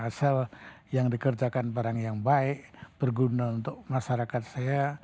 asal yang dikerjakan barang yang baik berguna untuk masyarakat saya